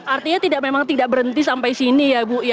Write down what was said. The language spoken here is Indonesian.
artinya memang tidak berhenti sampai sini ya bu